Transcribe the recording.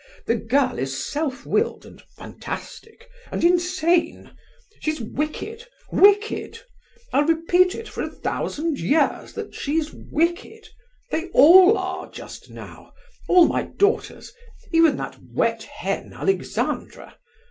The girl is self willed and fantastic, and insane! She's wicked, wicked! I'll repeat it for a thousand years that she's wicked; they all are, just now, all my daughters, even that 'wet hen' Alexandra.